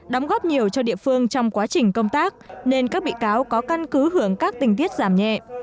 đóng góp nhiều cho địa phương trong quá trình công tác nên các bị cáo có căn cứ hưởng các tình tiết giảm nhẹ